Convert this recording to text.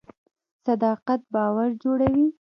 صداقت باور جوړوي